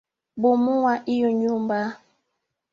Bomoa iyo nyumba.